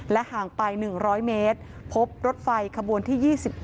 ห่างไป๑๐๐เมตรพบรถไฟขบวนที่๒๗